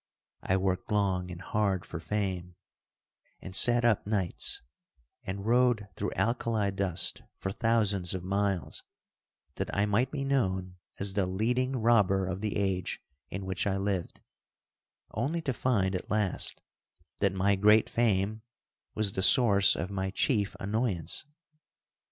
I worked long and hard for fame, and sat up nights and rode through alkali dust for thousands of miles, that I might be known as the leading robber of the age in which I lived, only to find at last that my great fame was the source of my chief annoyance.